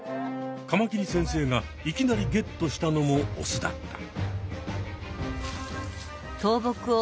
カマキリ先生がいきなりゲットしたのもオスだった。